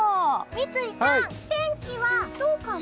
三井さん、天気はどうかな？